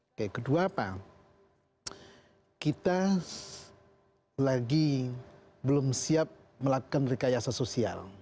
oke kedua apa kita lagi belum siap melakukan rekayasa sosial